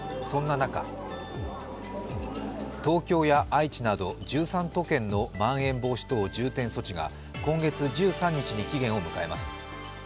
そんな中東京や愛知など１３都県のまん延防止等重点措置が今月１３日に期限を迎えます。